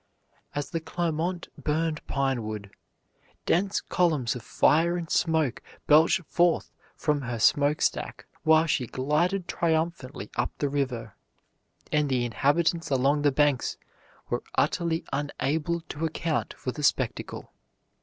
As the Clermont burned pine wood, dense columns of fire and smoke belched forth from her smoke stack while she glided triumphantly up the river, and the inhabitants along the banks were utterly unable to account for the spectacle.